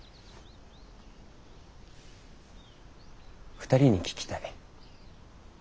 ２人に聞きたい。